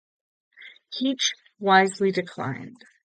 Keech wisely declined.